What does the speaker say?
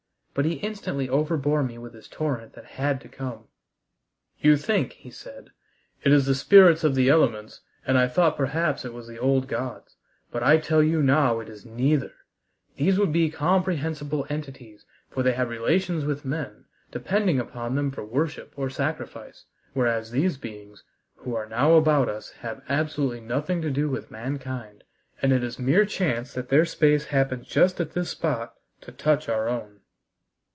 But he instantly overbore me with his torrent that had to come. "You think," he said, "it is the spirits of the elements, and I thought perhaps it was the old gods. But I tell you now it is neither. These would be comprehensible entities, for they have relations with men, depending upon them for worship or sacrifice, whereas these beings who are now about us have absolutely nothing to do with mankind, and it is mere chance that their space happens just at this spot to touch our own."